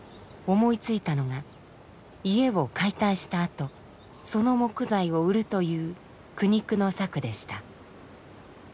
思いついたのが家を解体したあとその木材を売るという苦肉の策でした。